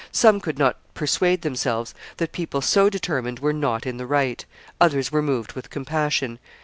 Some could not persuade themselves that people so determined were not in the right; others were moved with compassion.